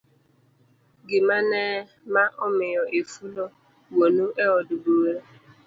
gimane ma omiyo ifulo wuonu e od bura.